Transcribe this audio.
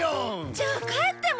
じゃあ帰っても？